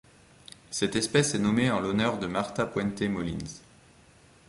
Cette espèce est nommée en l'honneur de Marta Puente Molins.